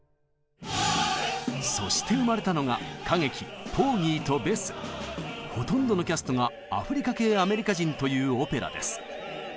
そして生まれたのがほとんどのキャストがアフリカ系アメリカ人というオペラです。